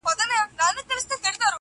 زه چي په بې سېکه گوتو څه وپېيم_